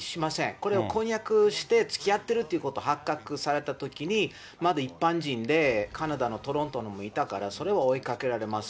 これは婚約して、つきあってるということ発覚されたときにまだ一般人で、カナダのトロントにもいたから、それは追いかけられます。